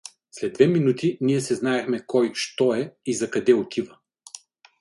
След две минути ние се знаехме кой що е и за къде отива.